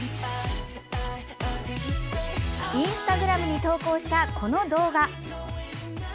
インスタグラムに投稿したこの動画。